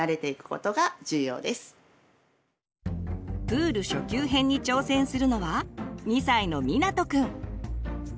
プール初級編に挑戦するのは２歳のみなとくん。